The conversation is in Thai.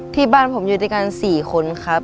ที่บ้านผมอยู่ด้วยกัน๔คนครับ